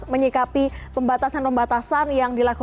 menyikapi pembatasan pembatasan yang dilakukan